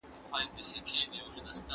څنګه استادان کولای سي نوي څېړنې ترسره کړي؟